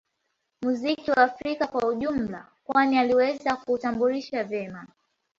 Muziki wa Afrika kwa ujumla kwani aliweza kuutambulisha vema